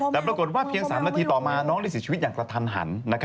แต่ปรากฏว่าเพียง๓นาทีต่อมาน้องได้เสียชีวิตอย่างกระทันหัน